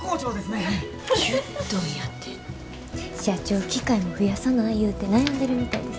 社長機械も増やさないうて悩んでるみたいです。